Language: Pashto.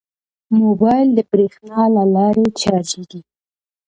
موبایل د بریښنا له لارې چارجېږي.